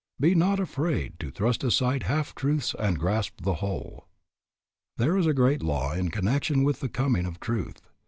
Be not afraid To thrust aside half truths and grasp the whole." There is a great law in connection with the coming of truth.